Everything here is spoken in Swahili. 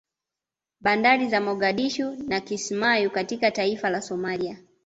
Bandari za Mogadishu na Kismayu katika taifa la Somalia